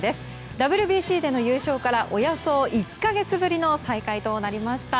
ＷＢＣでの優勝からおよそ１か月ぶりの再会となりました。